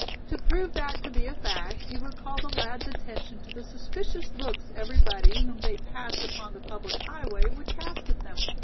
To prove that to be a fact he would call the lad's attention to the suspicious looks everybody whom they passed upon the public highway would cast at them.